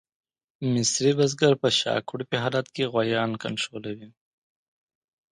مصري بزګر په شاکړوپي حالت کې غویان کنټرولوي.